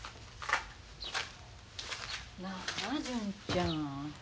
なあ純ちゃん。